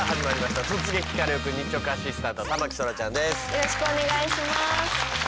よろしくお願いします。